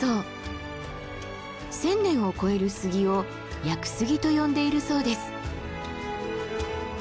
１，０００年を超える杉を屋久杉と呼んでいるそうです。